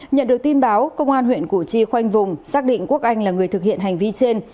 nhận được tin báo công an huyện củ chi khoanh vùng xác định quốc anh là người thực hiện hành vi trên